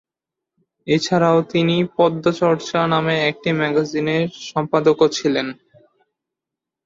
এছাড়া তিনি "পদ্য চর্চা" নামে একটি ম্যাগাজিনের সম্পাদকও ছিলেন।